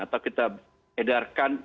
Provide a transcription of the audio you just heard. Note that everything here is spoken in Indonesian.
atau kita edarkan